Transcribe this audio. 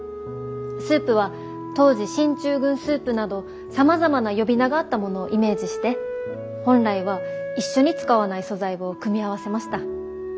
スープは当時進駐軍スープなどさまざまな呼び名があったものをイメージして本来は一緒に使わない素材を組み合わせました。